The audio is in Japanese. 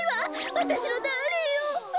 わたしのダーリンを。